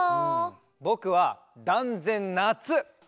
ぼくはだんぜんなつ！